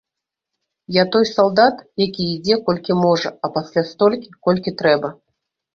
Я той салдат, які ідзе колькі можа, а пасля столькі, колькі трэба.